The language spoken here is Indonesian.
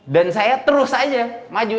dan saya terus aja maju